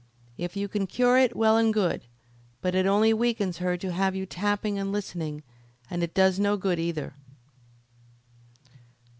If you can cure it well and good. But it only weakens her to have you tapping and listening, and it does no good either."